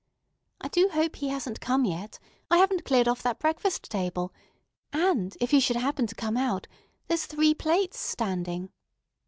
"I do hope he hasn't come yet. I haven't cleared off that breakfast table; and, if he should happen to come out, there's three plates standing."